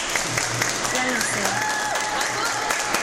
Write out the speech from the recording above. ya lo sé.